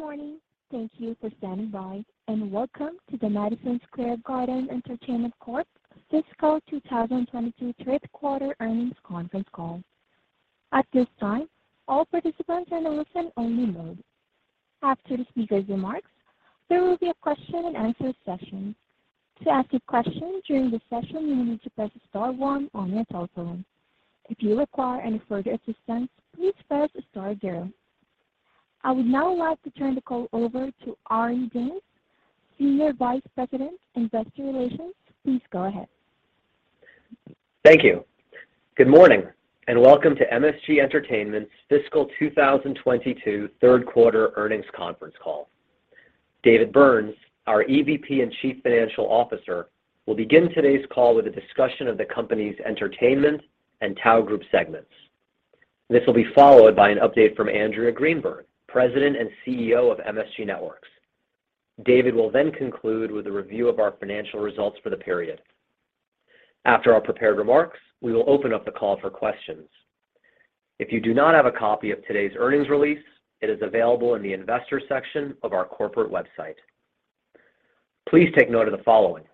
Good morning. Thank you for standing by, and welcome to the Madison Square Garden Entertainment Corp. Fiscal 2022 third quarter earnings conference call. At this time, all participants are in a listen-only mode. After the speaker's remarks, there will be a question and answer session. To ask a question during the session, you will need to press star one on your telephone. If you require any further assistance, please press star zero. I would now like to turn the call over to Ari Danes, Senior Vice President, Investor Relations. Please go ahead. Thank you. Good morning, and welcome to MSG Entertainment's fiscal 2022 third quarter earnings conference call. David Byrnes, our EVP and Chief Financial Officer, will begin today's call with a discussion of the company's entertainment and Tao Group segments. This will be followed by an update from Andrea Greenberg, President and CEO of MSG Networks. David will then conclude with a review of our financial results for the period. After our prepared remarks, we will open up the call for questions. If you do not have a copy of today's earnings release, it is available in the Investors section of our corporate website. Please take note of the following.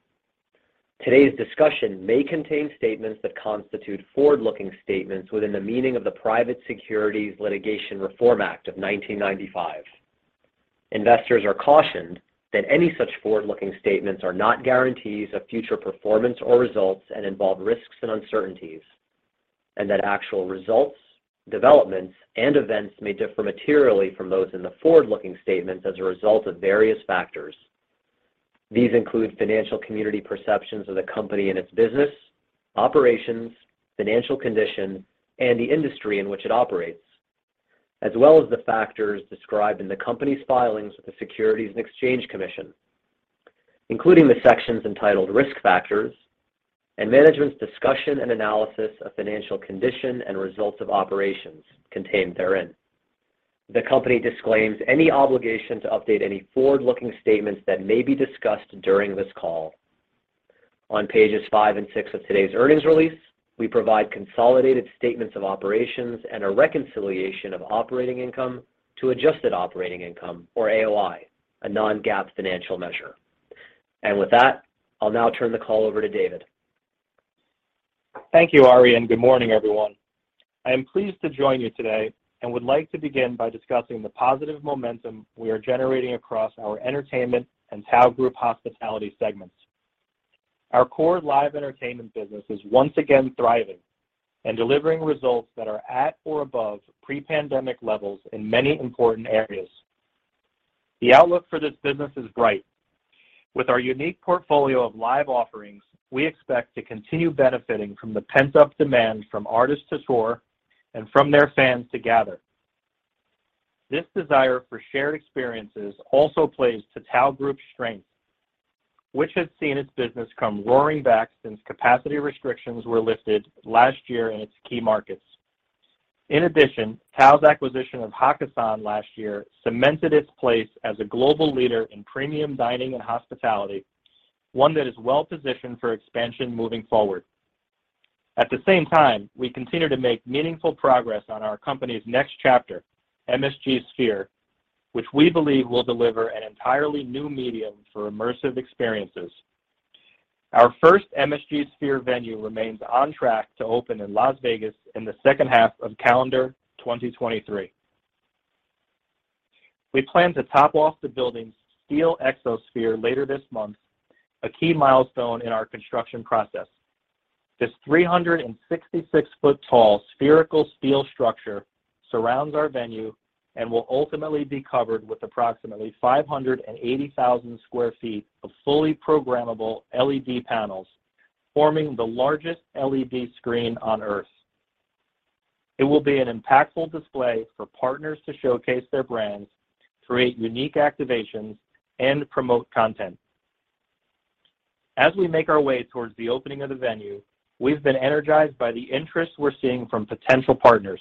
Today's discussion may contain statements that constitute forward-looking statements within the meaning of the Private Securities Litigation Reform Act of 1995. Investors are cautioned that any such forward-looking statements are not guarantees of future performance or results and involve risks and uncertainties, and that actual results, developments, and events may differ materially from those in the forward-looking statements as a result of various factors. These include financial community perceptions of the company and its business, operations, financial condition, and the industry in which it operates, as well as the factors described in the company's filings with the Securities and Exchange Commission, including the sections entitled Risk Factors and Management's Discussion and Analysis of Financial Condition and Results of Operations contained therein. The company disclaims any obligation to update any forward-looking statements that may be discussed during this call. On pages 5 and 6 of today's earnings release, we provide consolidated statements of operations and a reconciliation of operating income to adjusted operating income or AOI, a non-GAAP financial measure. With that, I'll now turn the call over to David. Thank you, Ari, and good morning, everyone. I am pleased to join you today and would like to begin by discussing the positive momentum we are generating across our entertainment and Tao Group Hospitality segments. Our core live entertainment business is once again thriving and delivering results that are at or above pre-pandemic levels in many important areas. The outlook for this business is bright. With our unique portfolio of live offerings, we expect to continue benefiting from the pent-up demand from artists to tour and from their fans to gather. This desire for shared experiences also plays to Tao Group's strength, which has seen its business come roaring back since capacity restrictions were lifted last year in its key markets. In addition, Tao's acquisition of Hakkasan last year cemented its place as a global leader in premium dining and hospitality, one that is well-positioned for expansion moving forward. At the same time, we continue to make meaningful progress on our company's next chapter, MSG Sphere, which we believe will deliver an entirely new medium for immersive experiences. Our first MSG Sphere venue remains on track to open in Las Vegas in the second half of calendar 2023. We plan to top off the building's steel exosphere later this month, a key milestone in our construction process. This 366-foot-tall spherical steel structure surrounds our venue and will ultimately be covered with approximately 580,000 sq ft of fully programmable LED panels, forming the largest LED screen on Earth. It will be an impactful display for partners to showcase their brands, create unique activations, and promote content. As we make our way towards the opening of the venue, we've been energized by the interest we're seeing from potential partners.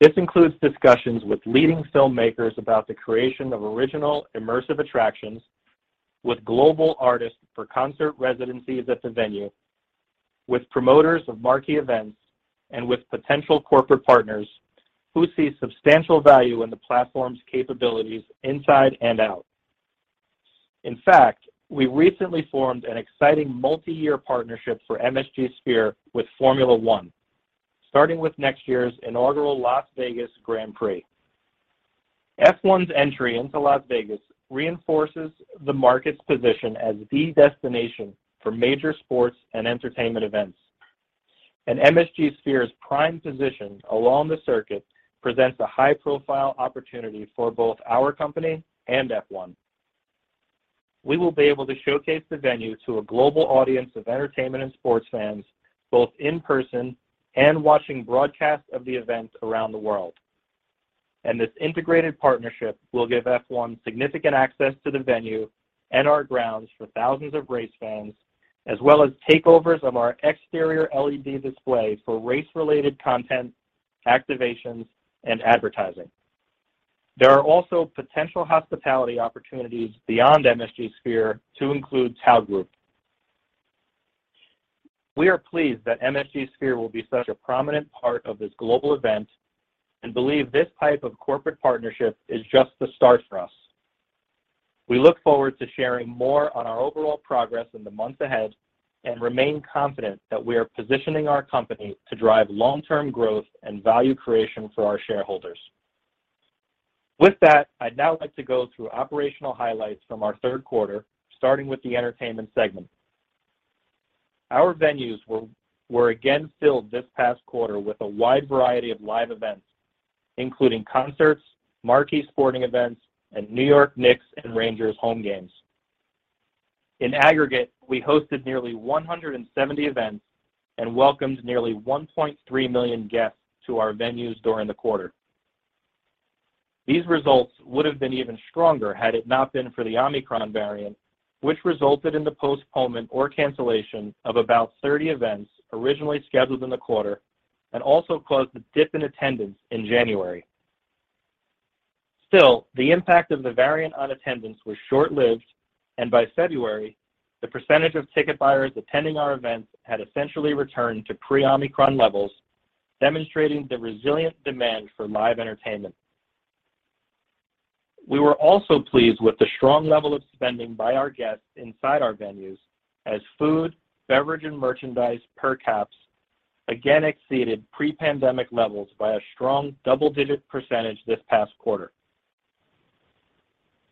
This includes discussions with leading filmmakers about the creation of original immersive attractions with global artists for concert residencies at the venue, with promoters of marquee events, and with potential corporate partners who see substantial value in the platform's capabilities inside and out. In fact, we recently formed an exciting multi-year partnership for MSG Sphere with Formula 1, starting with next year's inaugural Las Vegas Grand Prix. Formula 1's entry into Las Vegas reinforces the market's position as the destination for major sports and entertainment events. MSG Sphere's prime position along the circuit presents a high-profile opportunity for both our company and Formula 1. We will be able to showcase the venue to a global audience of entertainment and sports fans, both in person and watching broadcasts of the events around the world. This integrated partnership will give F1 significant access to the venue and our grounds for thousands of race fans, as well as takeovers of our exterior LED display for race-related content, activations, and advertising. There are also potential hospitality opportunities beyond MSG Sphere to include Tao Group Hospitality. We are pleased that MSG Sphere will be such a prominent part of this global event and believe this type of corporate partnership is just the start for us. We look forward to sharing more on our overall progress in the months ahead and remain confident that we are positioning our company to drive long-term growth and value creation for our shareholders. With that, I'd now like to go through operational highlights from our third quarter, starting with the entertainment segment. Our venues were again filled this past quarter with a wide variety of live events, including concerts, marquee sporting events, and New York Knicks and Rangers home games. In aggregate, we hosted nearly 170 events and welcomed nearly 1.3 million guests to our venues during the quarter. These results would have been even stronger had it not been for the Omicron variant, which resulted in the postponement or cancellation of about 30 events originally scheduled in the quarter and also caused a dip in attendance in January. Still, the impact of the variant on attendance was short-lived, and by February, the percentage of ticket buyers attending our events had essentially returned to pre-Omicron levels, demonstrating the resilient demand for live entertainment. We were also pleased with the strong level of spending by our guests inside our venues as food, beverage, and merchandise per caps again exceeded pre-pandemic levels by a strong double-digit percentage this past quarter.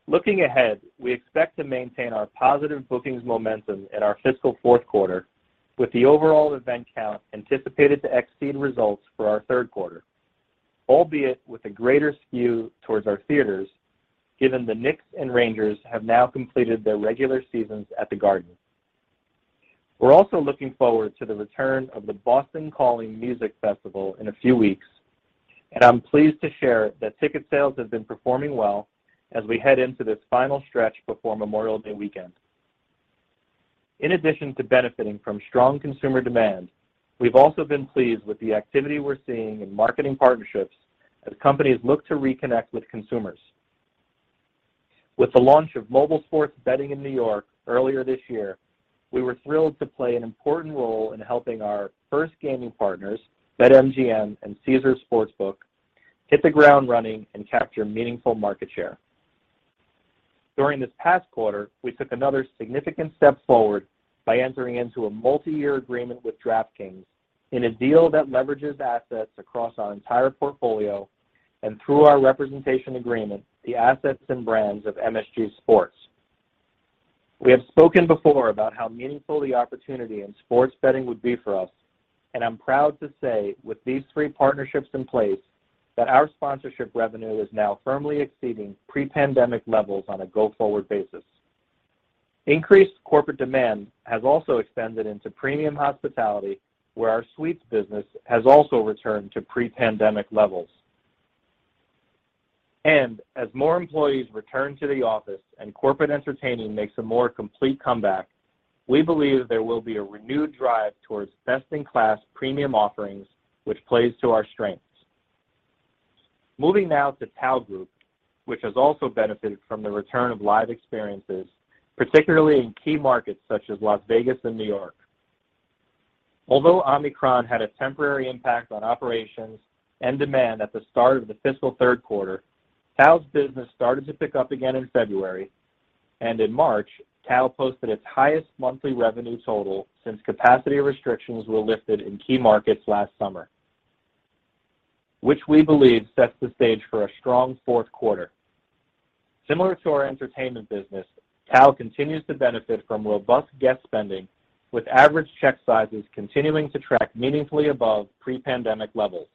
Looking ahead, we expect to maintain our positive bookings momentum in our fiscal fourth quarter with the overall event count anticipated to exceed results for our third quarter, albeit with a greater skew towards our theaters given the Knicks and Rangers have now completed their regular seasons at the Garden. We're also looking forward to the return of the Boston Calling Music Festival in a few weeks, and I'm pleased to share that ticket sales have been performing well as we head into this final stretch before Memorial Day weekend. In addition to benefiting from strong consumer demand, we've also been pleased with the activity we're seeing in marketing partnerships as companies look to reconnect with consumers. With the launch of mobile sports betting in New York earlier this year, we were thrilled to play an important role in helping our first gaming partners, BetMGM and Caesars Sportsbook, hit the ground running and capture meaningful market share. During this past quarter, we took another significant step forward by entering into a multiyear agreement with DraftKings in a deal that leverages assets across our entire portfolio and through our representation agreement, the assets and brands of MSG Sports. We have spoken before about how meaningful the opportunity in sports betting would be for us, and I'm proud to say with these three partnerships in place that our sponsorship revenue is now firmly exceeding pre-pandemic levels on a go-forward basis. Increased corporate demand has also extended into premium hospitality, where our suites business has also returned to pre-pandemic levels. As more employees return to the office and corporate entertaining makes a more complete comeback, we believe there will be a renewed drive towards best-in-class premium offerings, which plays to our strengths. Moving now to Tao Group, which has also benefited from the return of live experiences, particularly in key markets such as Las Vegas and New York. Although Omicron had a temporary impact on operations and demand at the start of the fiscal third quarter, Tao's business started to pick up again in February. In March, Tao posted its highest monthly revenue total since capacity restrictions were lifted in key markets last summer, which we believe sets the stage for a strong fourth quarter. Similar to our entertainment business, Tao continues to benefit from robust guest spending, with average check sizes continuing to track meaningfully above pre-pandemic levels.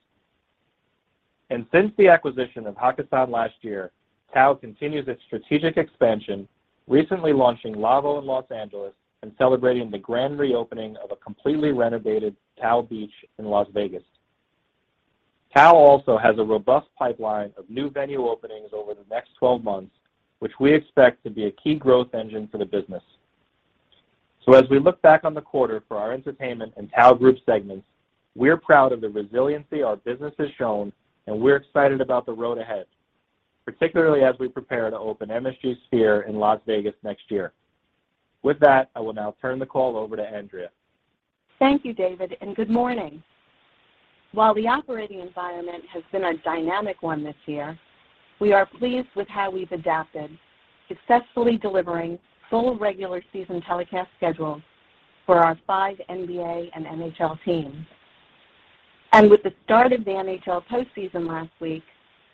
Since the acquisition of Hakkasan last year, Tao continues its strategic expansion, recently launching LAVO in Los Angeles and celebrating the grand reopening of a completely renovated Tao Beach in Las Vegas. Tao also has a robust pipeline of new venue openings over the next 12 months, which we expect to be a key growth engine for the business. As we look back on the quarter for our entertainment and Tao Group segments, we're proud of the resiliency our business has shown, and we're excited about the road ahead, particularly as we prepare to open MSG Sphere in Las Vegas next year. With that, I will now turn the call over to Andrea. Thank you, David, and good morning. While the operating environment has been a dynamic one this year, we are pleased with how we've adapted, successfully delivering full regular season telecast schedules for our five NBA and NHL teams. With the start of the NHL postseason last week,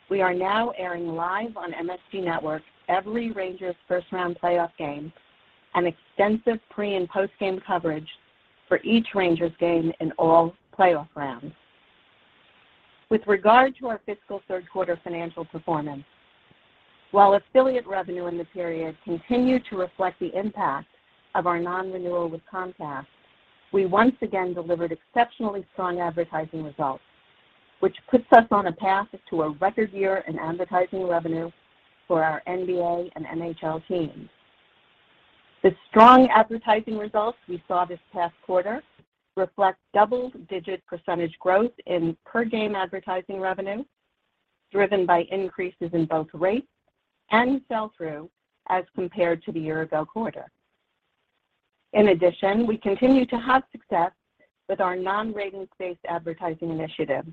we are now airing live on MSG Network every Rangers first-round playoff game and extensive pre- and post-game coverage for each Rangers game in all playoff rounds. With regard to our fiscal third quarter financial performance, while affiliate revenue in the period continued to reflect the impact of our non-renewal with Comcast, we once again delivered exceptionally strong advertising results, which puts us on a path to a record year in advertising revenue for our NBA and NHL teams. The strong advertising results we saw this past quarter reflect double-digit % growth in per-game advertising revenue, driven by increases in both rates and sell-through as compared to the year-ago quarter. In addition, we continue to have success with our non-ratings-based advertising initiative,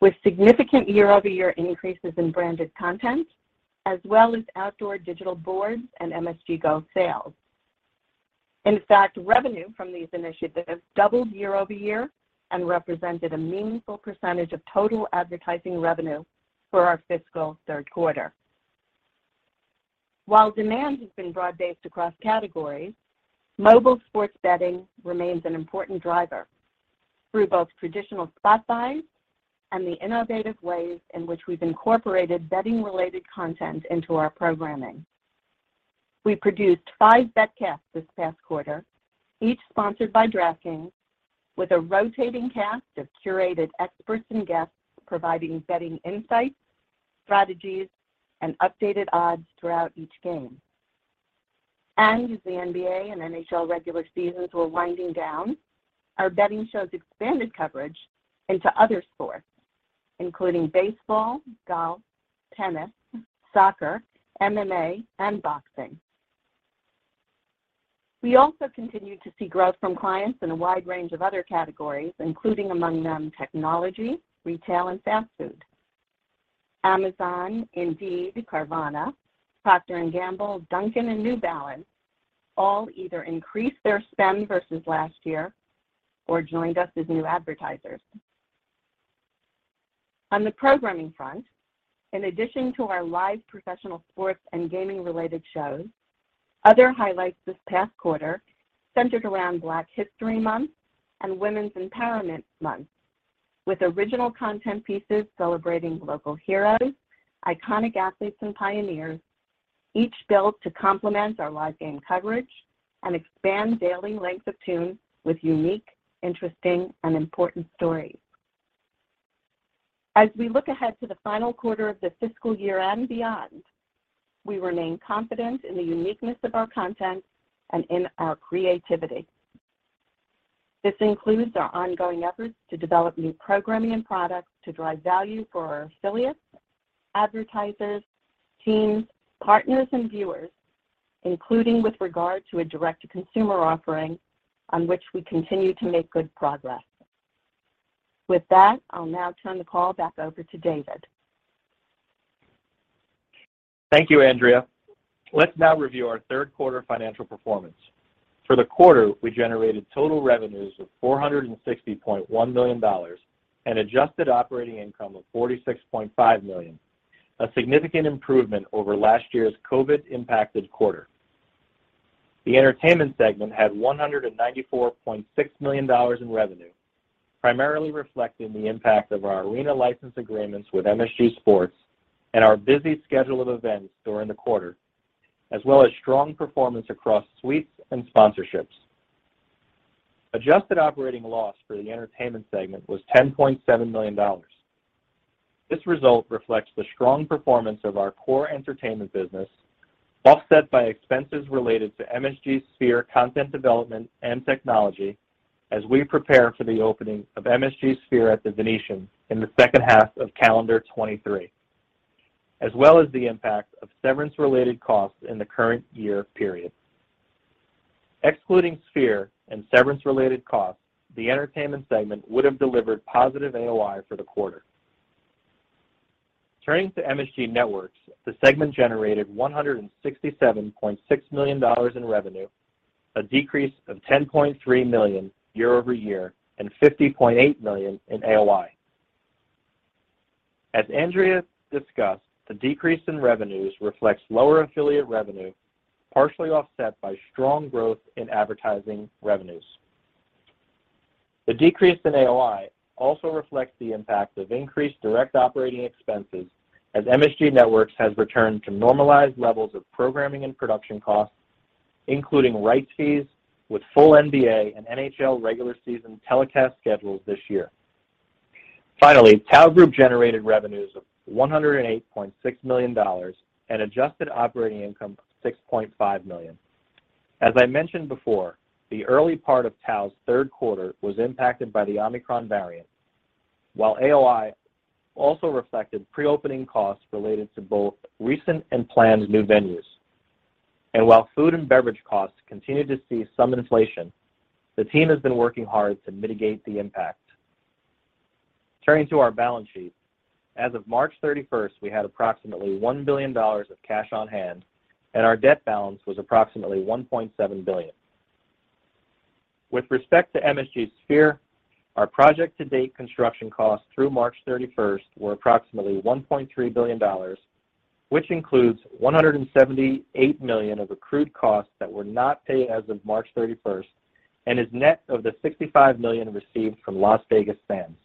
with significant year-over-year increases in branded content, as well as outdoor digital boards and MSG GO sales. In fact, revenue from these initiatives doubled year-over-year and represented a meaningful percentage of total advertising revenue for our fiscal third quarter. While demand has been broad-based across categories, mobile sports betting remains an important driver through both traditional spot buys and the innovative ways in which we've incorporated betting-related content into our programming. We produced five betcasts this past quarter, each sponsored by DraftKings, with a rotating cast of curated experts and guests providing betting insights, strategies, and updated odds throughout each game. As the NBA and NHL regular seasons were winding down, our betting shows expanded coverage into other sports, including baseball, golf, tennis, soccer, MMA, and boxing. We also continued to see growth from clients in a wide range of other categories, including among them technology, retail, and fast food. Amazon, Indeed, Carvana, Procter & Gamble, Dunkin', and New Balance all either increased their spend versus last year or joined us as new advertisers. On the programming front, in addition to our live professional sports and gaming-related shows, other highlights this past quarter centered around Black History Month and Women's History Month, with original content pieces celebrating local heroes, iconic athletes, and pioneers, each built to complement our live game coverage and expand daily length of tune with unique, interesting, and important stories. As we look ahead to the final quarter of the fiscal year and beyond, we remain confident in the uniqueness of our content and in our creativity. This includes our ongoing efforts to develop new programming and products to drive value for our affiliates, advertisers, teams, partners, and viewers, including with regard to a direct-to-consumer offering on which we continue to make good progress. With that, I'll now turn the call back over to David. Thank you, Andrea. Let's now review our third quarter financial performance. For the quarter, we generated total revenues of $460.1 million and adjusted operating income of $46.5 million, a significant improvement over last year's COVID-impacted quarter. The Entertainment segment had $194.6 million in revenue, primarily reflecting the impact of our arena license agreements with MSG Sports and our busy schedule of events during the quarter, as well as strong performance across suites and sponsorships. Adjusted operating loss for the Entertainment segment was $10.7 million. This result reflects the strong performance of our core entertainment business, offset by expenses related to MSG Sphere content development and technology as we prepare for the opening of MSG Sphere at The Venetian in the second half of calendar 2023, as well as the impact of severance-related costs in the current year period. Excluding Sphere and severance-related costs, the Entertainment segment would have delivered positive AOI for the quarter. Turning to MSG Networks, the segment generated $167.6 million in revenue, a decrease of $10.3 million year-over-year, and $50.8 million in AOI. As Andrea discussed, the decrease in revenues reflects lower affiliate revenue, partially offset by strong growth in advertising revenues. The decrease in AOI also reflects the impact of increased direct operating expenses as MSG Networks has returned to normalized levels of programming and production costs, including rights fees with full NBA and NHL regular season telecast schedules this year. Finally, Tao Group generated revenues of $108.6 million and adjusted operating income of $6.5 million. As I mentioned before, the early part of Tao's third quarter was impacted by the Omicron variant, while AOI also reflected pre-opening costs related to both recent and planned new venues. While food and beverage costs continued to see some inflation, the team has been working hard to mitigate the impact. Turning to our balance sheet, as of March thirty-first, we had approximately $1 billion of cash on hand, and our debt balance was approximately $1.7 billion. With respect to MSG Sphere, our project to date construction costs through March 31 were approximately $1.3 billion, which includes $178 million of accrued costs that were not paid as of March 31 and is net of the $65 million received from Las Vegas Sands.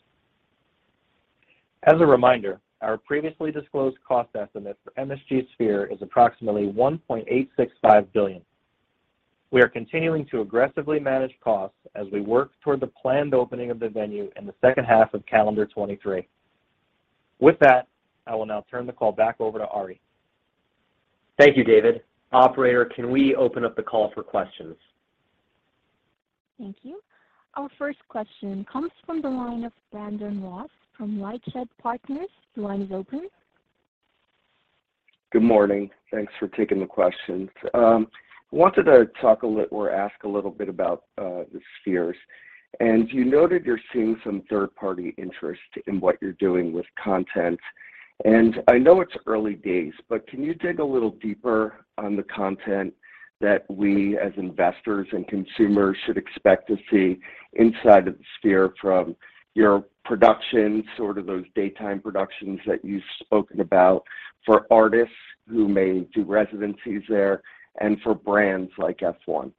As a reminder, our previously disclosed cost estimate for MSG Sphere is approximately $1.865 billion. We are continuing to aggressively manage costs as we work toward the planned opening of the venue in the second half of calendar 2023. With that, I will now turn the call back over to Ari. Thank you, David. Operator, can we open up the call for questions? Thank you. Our first question comes from the line of Brandon Ross from LightShed Partners. Your line is open. Good morning. Thanks for taking the questions. Wanted to talk a little or ask a little bit about the Sphere. You noted you're seeing some third-party interest in what you're doing with content. I know it's early days, but can you dig a little deeper on the content that we as investors and consumers should expect to see inside of the Sphere from your production, sort of those daytime productions that you've spoken about for artists who may do residencies there and for brands like F1?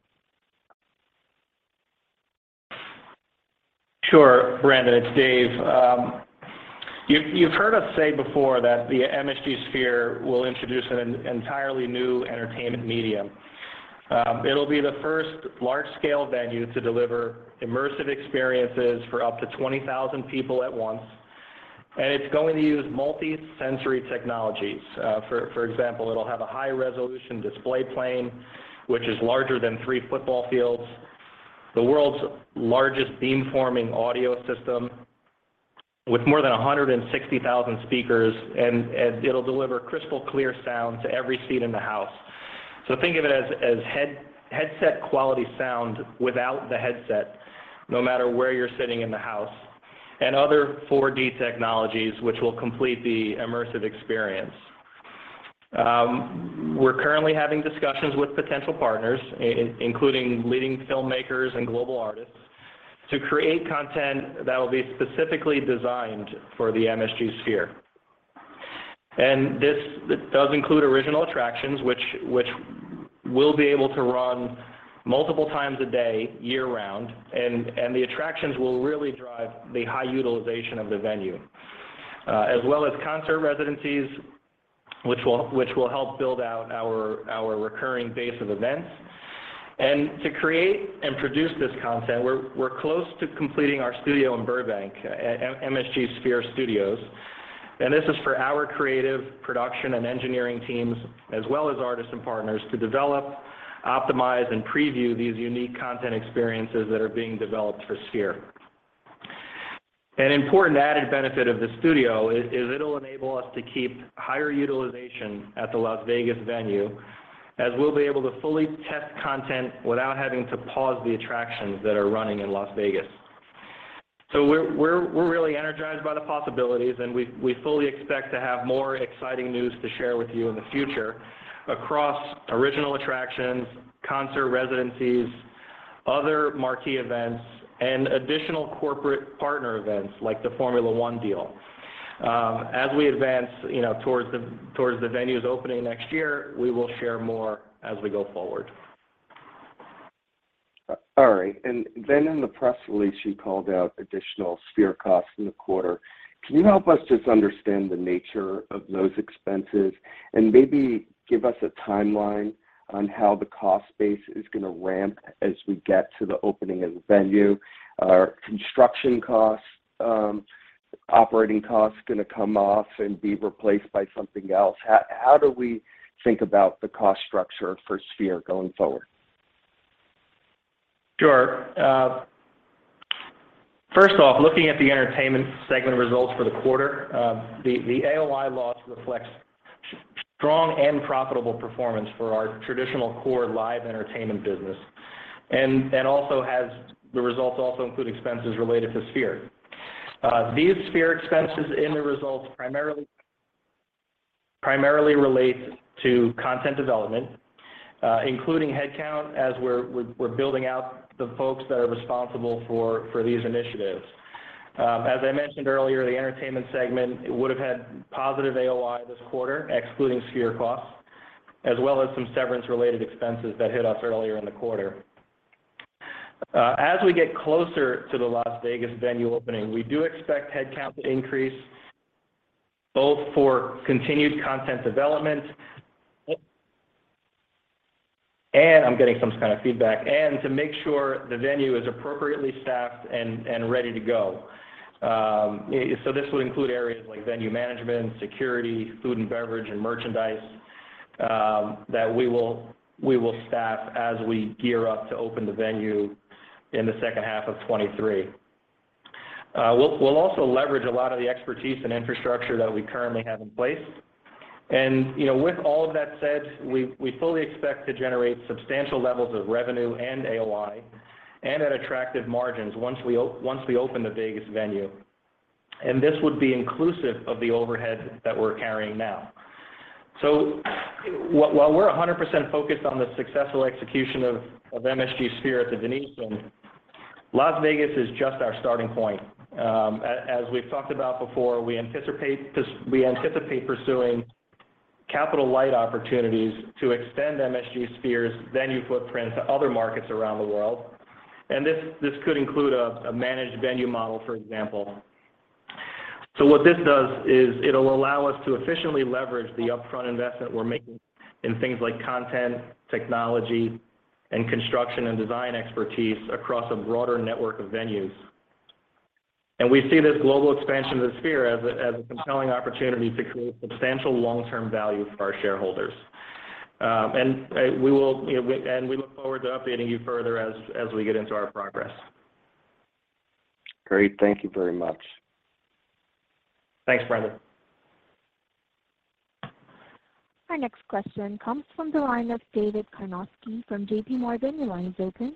Sure, Brandon, it's Dave. You've heard us say before that the MSG Sphere will introduce an entirely new entertainment medium. It'll be the first large-scale venue to deliver immersive experiences for up to 20,000 people at once, and it's going to use multi-sensory technologies. For example, it'll have a high-resolution display plane, which is larger than three football fields, the world's largest beam-forming audio system with more than 160,000 speakers, and it'll deliver crystal-clear sound to every seat in the house. Think of it as headset quality sound without the headset, no matter where you're sitting in the house. Other 4D technologies which will complete the immersive experience. We're currently having discussions with potential partners including leading filmmakers and global artists to create content that will be specifically designed for the MSG Sphere. This does include original attractions, which will be able to run multiple times a day, year-round, and the attractions will really drive the high utilization of the venue, as well as concert residencies, which will help build out our recurring base of events. To create and produce this content, we're close to completing our studio in Burbank, MSG Sphere Studios. This is for our creative production and engineering teams, as well as artists and partners, to develop, optimize, and preview these unique content experiences that are being developed for Sphere. An important added benefit of the studio is it'll enable us to keep higher utilization at the Las Vegas venue, as we'll be able to fully test content without having to pause the attractions that are running in Las Vegas. We're really energized by the possibilities, and we fully expect to have more exciting news to share with you in the future across original attractions, concert residencies, other marquee events, and additional corporate partner events like the Formula 1 deal. As we advance, you know, towards the venue's opening next year, we will share more as we go forward. All right. In the press release, you called out additional Sphere costs in the quarter. Can you help us just understand the nature of those expenses and maybe give us a timeline on how the cost base is gonna ramp as we get to the opening of the venue? Are construction costs, operating costs gonna come off and be replaced by something else? How do we think about the cost structure for Sphere going forward? Sure. First off, looking at the entertainment segment results for the quarter, the AOI loss reflects strong and profitable performance for our traditional core live entertainment business. The results also include expenses related to Sphere. These Sphere expenses in the results primarily relate to content development, including headcount as we're building out the folks that are responsible for these initiatives. As I mentioned earlier, the entertainment segment would have had positive AOI this quarter, excluding Sphere costs, as well as some severance-related expenses that hit us earlier in the quarter. As we get closer to the Las Vegas venue opening, we do expect headcount to increase both for continued content development. I'm getting some kind of feedback. To make sure the venue is appropriately staffed and ready to go. This would include areas like venue management, security, food and beverage, and merchandise that we will staff as we gear up to open the venue in the second half of 2023. We'll also leverage a lot of the expertise and infrastructure that we currently have in place. You know, with all of that said, we fully expect to generate substantial levels of revenue and AOI at attractive margins once we open the Vegas venue. This would be inclusive of the overhead that we're carrying now. While we're 100% focused on the successful execution of MSG Sphere at The Venetian, Las Vegas is just our starting point. As we've talked about before, we anticipate pursuing capital-light opportunities to extend MSG Sphere's venue footprint to other markets around the world. This could include a managed venue model, for example. What this does is it'll allow us to efficiently leverage the upfront investment we're making in things like content, technology, and construction and design expertise across a broader network of venues. We see this global expansion of Sphere as a compelling opportunity to create substantial long-term value for our shareholders. We look forward to updating you further as we get into our progress. Great. Thank you very much. Thanks, Brandon. Our next question comes from the line of David Karnovsky from JPMorgan. Your line is open.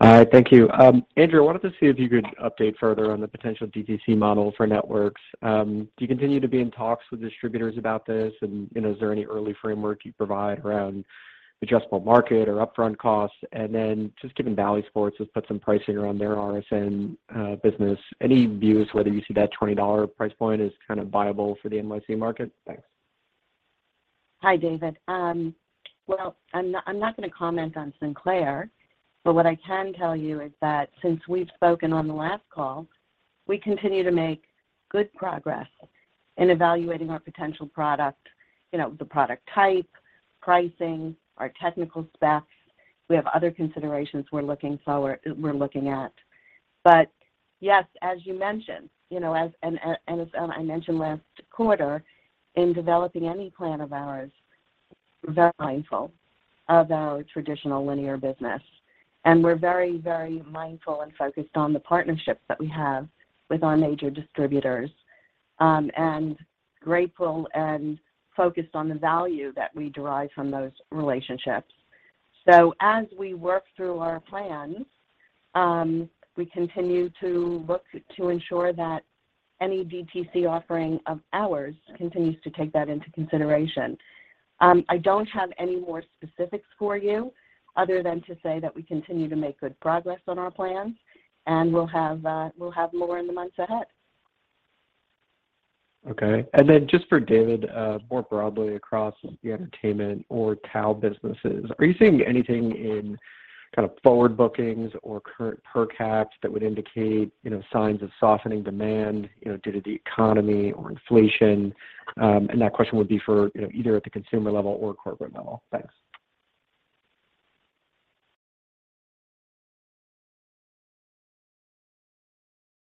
Hi. Thank you. Andrea, I wanted to see if you could update further on the potential DTC model for networks. Do you continue to be in talks with distributors about this? You know, is there any early framework you'd provide around adjustable market or upfront costs? Then just given Bally Sports has put some pricing around their RSN business, any views whether you see that $20 price point as kind of viable for the NYC market? Thanks. Hi, David. Well, I'm not gonna comment on Sinclair, but what I can tell you is that since we've spoken on the last call, we continue to make good progress in evaluating our potential product, you know, the product type, pricing, our technical specs. We have other considerations we're looking at. Yes, as you mentioned, you know, as I mentioned last quarter, in developing any plan of ours, we're very mindful of our traditional linear business. We're very, very mindful and focused on the partnerships that we have with our major distributors, and grateful and focused on the value that we derive from those relationships. As we work through our plans, we continue to look to ensure that any DTC offering of ours continues to take that into consideration. I don't have any more specifics for you other than to say that we continue to make good progress on our plans, and we'll have more in the months ahead. Okay. Just for David, more broadly across the entertainment or Tao businesses, are you seeing anything in kind of forward bookings or current per caps that would indicate, you know, signs of softening demand, you know, due to the economy or inflation? That question would be for, you know, either at the consumer level or corporate level. Thanks.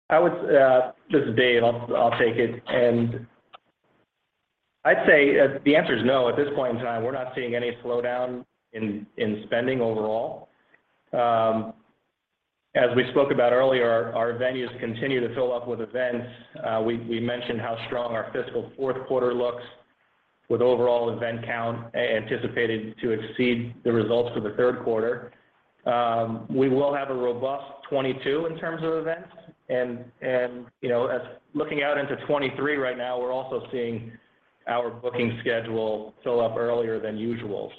This is Dave. I'll take it. I'd say the answer is no. At this point in time, we're not seeing any slowdown in spending overall. As we spoke about earlier, our venues continue to fill up with events. We mentioned how strong our fiscal fourth quarter looks with overall event count anticipated to exceed the results for the third quarter. We will have a robust 2022 in terms of events and, you know, looking out into 2023 right now, we're also seeing our booking schedule fill up earlier than usual.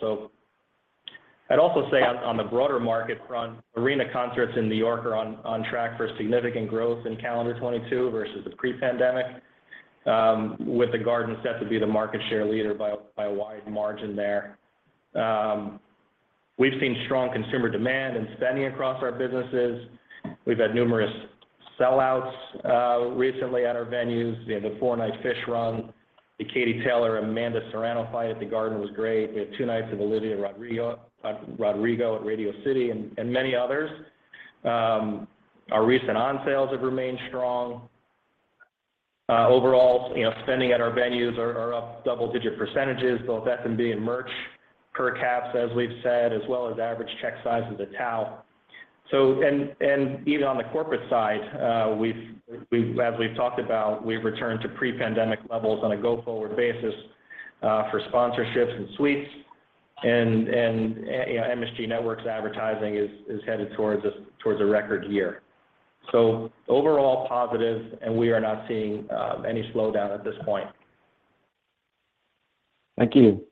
I'd also say on the broader market front, arena concerts in New York are on track for significant growth in calendar 2022 versus the pre-pandemic with the Garden set to be the market share leader by a wide margin there. We've seen strong consumer demand and spending across our businesses. We've had numerous sellouts recently at our venues. We had the four-night Phish run. The Katie Taylor-Amanda Serrano fight at the Garden was great. We had two nights of Olivia Rodrigo at Radio City and many others. Our recent on sales have remained strong. Overall, you know, spending at our venues are up double-digit percentages, both F&B and merch per caps, as we've said, as well as average check sizes at Tao. Even on the corporate side, as we've talked about, we've returned to pre-pandemic levels on a go-forward basis for sponsorships and suites and, you know, MSG Networks advertising is headed towards a record year. Overall positive, and we are not seeing any slowdown at this point. Thank you.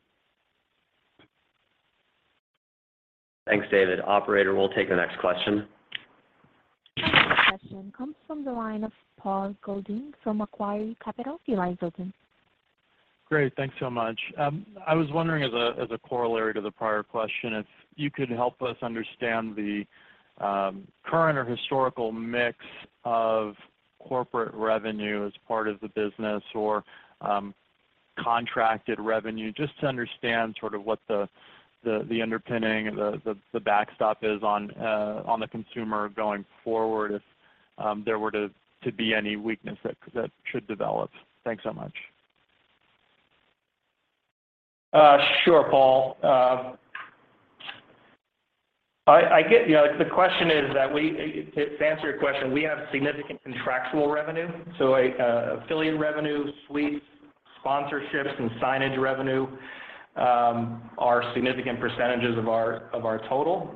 Thanks, David. Operator, we'll take the next question. Our next question comes from the line of Paul Golding from Macquarie Capital. Your line is open. Great. Thanks so much. I was wondering as a corollary to the prior question, if you could help us understand the current or historical mix of corporate revenue as part of the business or contracted revenue, just to understand sort of what the underpinning, the backstop is on the consumer going forward if there were to be any weakness that should develop. Thanks so much. Sure, Paul. I get you. To answer your question, we have significant contractual revenue, so affiliate revenue, suites, sponsorships, and signage revenue are significant percentages of our total.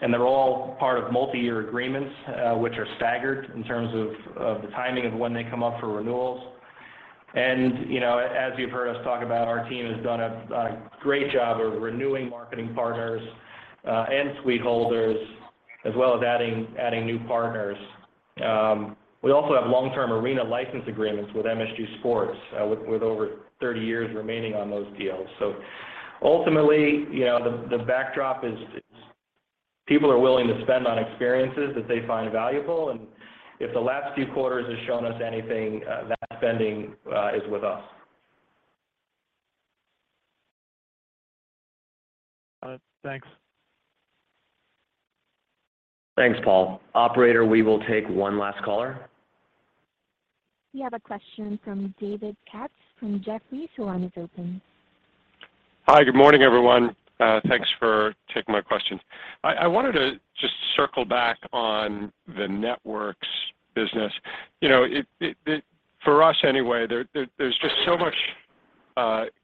They're all part of multi-year agreements, which are staggered in terms of the timing of when they come up for renewals. You know, as you've heard us talk about, our team has done a great job of renewing marketing partners and suite holders as well as adding new partners. We also have long-term arena license agreements with MSG Sports, with over 30 years remaining on those deals. Ultimately, you know, the backdrop is people are willing to spend on experiences that they find valuable. If the last few quarters has shown us anything, that spending is with us. Thanks. Thanks, Paul. Operator, we will take one last caller. We have a question from David Katz from Jefferies. Your line is open. Hi. Good morning, everyone. Thanks for taking my questions. I wanted to just circle back on the networks business. You know, for us anyway, there's just so much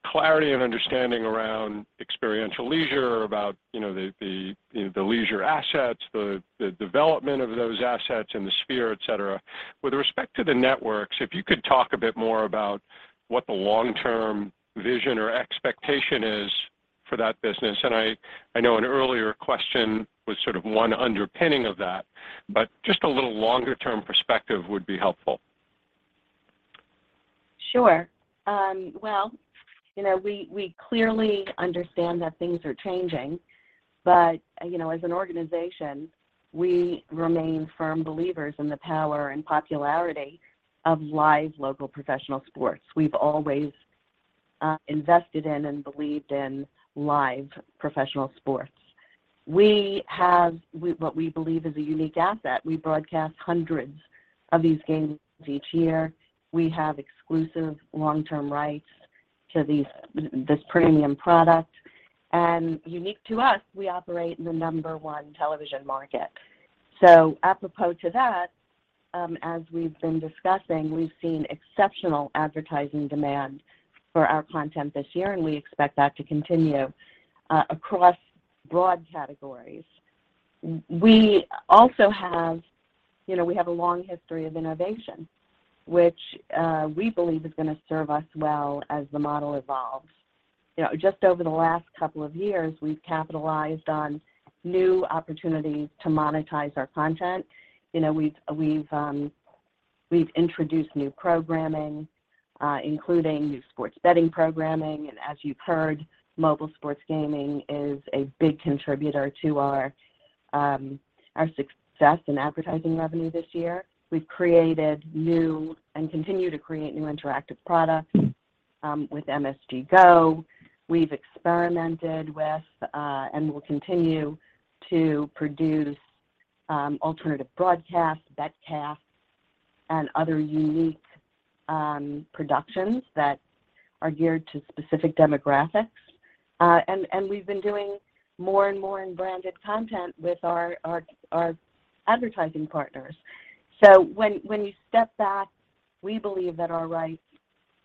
clarity and understanding around experiential leisure about, you know, the leisure assets, the development of those assets in the Sphere, et cetera. With respect to the networks, if you could talk a bit more about what the long-term vision or expectation is for that business. I know an earlier question was sort of one underpinning of that, but just a little longer term perspective would be helpful. Sure. Well, you know, we clearly understand that things are changing, but, you know, as an organization, we remain firm believers in the power and popularity of live local professional sports. We've always invested in and believed in live professional sports. We have what we believe is a unique asset. We broadcast hundreds of these games each year. We have exclusive long-term rights to these, this premium product. Unique to us, we operate in the number one television market. Apropos to that, as we've been discussing, we've seen exceptional advertising demand for our content this year, and we expect that to continue across broad categories. You know, we have a long history of innovation, which we believe is gonna serve us well as the model evolves. You know, just over the last couple of years, we've capitalized on new opportunities to monetize our content. You know, we've introduced new programming, including new sports betting programming. As you've heard, mobile sports gaming is a big contributor to our success in advertising revenue this year. We've created new and continue to create new interactive products with MSG GO. We've experimented with and will continue to produce alternative broadcasts, bet casts, and other unique productions that are geared to specific demographics. We've been doing more and more in branded content with our advertising partners. When you step back, we believe that our rights,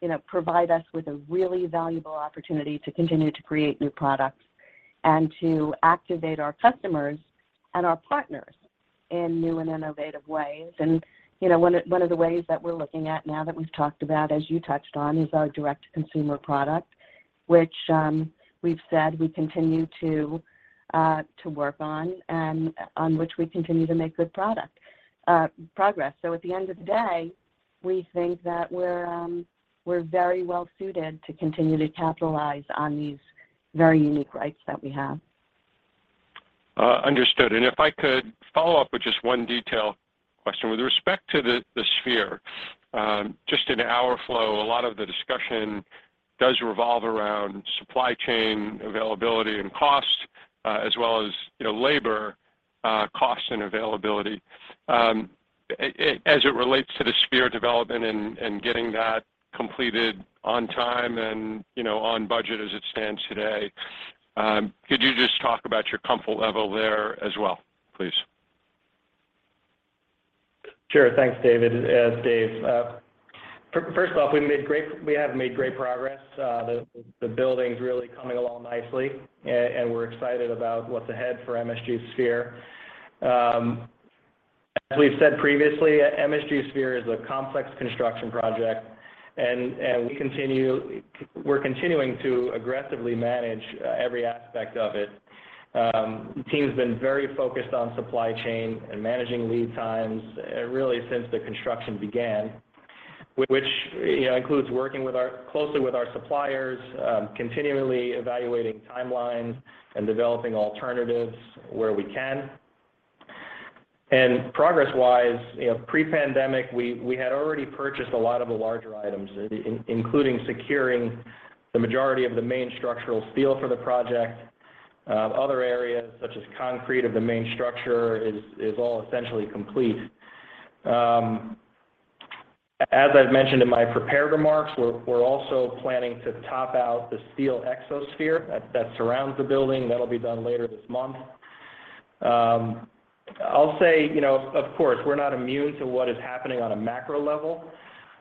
you know, provide us with a really valuable opportunity to continue to create new products and to activate our customers and our partners in new and innovative ways. You know, one of the ways that we're looking at now that we've talked about, as you touched on, is our direct-to-consumer product, which we've said we continue to work on and on which we continue to make good product progress. At the end of the day, we think that we're very well suited to continue to capitalize on these very unique rights that we have. Understood. If I could follow up with just one detail question. With respect to the Sphere, just in our flow, a lot of the discussion does revolve around supply chain availability and cost, as well as, you know, labor cost and availability. As it relates to the Sphere development and getting that completed on time and, you know, on budget as it stands today, could you just talk about your comfort level there as well, please? Sure. Thanks, David, Dave. First off, we have made great progress. The building's really coming along nicely. We're excited about what's ahead for MSG Sphere. As we've said previously, MSG Sphere is a complex construction project, and we're continuing to aggressively manage every aspect of it. The team's been very focused on supply chain and managing lead times really since the construction began, which, you know, includes working closely with our suppliers, continually evaluating timelines and developing alternatives where we can. Progress-wise, you know, pre-pandemic, we had already purchased a lot of the larger items, including securing the majority of the main structural steel for the project. Other areas such as concrete of the main structure is all essentially complete. As I've mentioned in my prepared remarks, we're also planning to top out the steel exosphere that surrounds the building. That'll be done later this month. I'll say, you know, of course, we're not immune to what is happening on a macro level,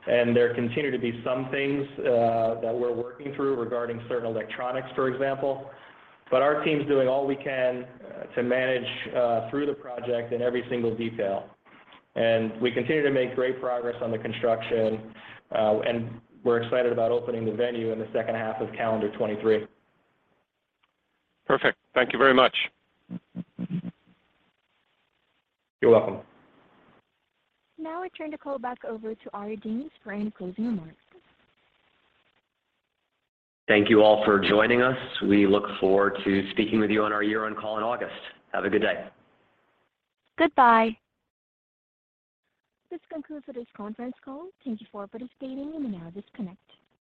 and there continue to be some things that we're working through regarding certain electronics, for example. But our team's doing all we can to manage through the project in every single detail. We continue to make great progress on the construction, and we're excited about opening the venue in the second half of calendar 2023. Perfect. Thank you very much. You're welcome. Now I turn the call back over to Ari Danes for any closing remarks. Thank you all for joining us. We look forward to speaking with you on our year-end call in August. Have a good day. Goodbye. This concludes today's conference call. Thank you for participating. You may now disconnect.